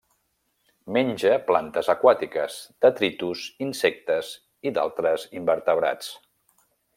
Menja plantes aquàtiques, detritus, insectes i d'altres invertebrats.